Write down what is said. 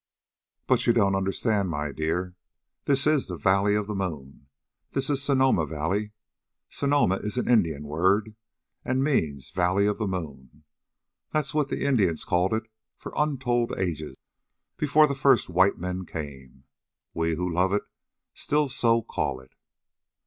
"But you don't understand, my dear. This is the Valley of the Moon. This is Sonoma Valley. Sonoma is an Indian word, and means the Valley of the Moon. That was what the Indians called it for untold ages before the first white men came. We, who love it, still so call it."